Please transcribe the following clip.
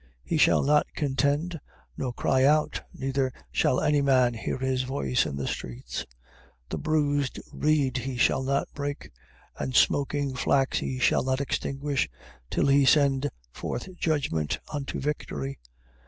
12:19. He shall not contend, nor cry out, neither shall any man hear his voice in the streets. 12:20. The bruised reed he shall not break: and smoking flax he shall not extinguish: till he send forth judgment unto victory.